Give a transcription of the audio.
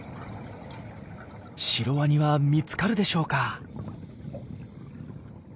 シロワニは見つかるでしょうか？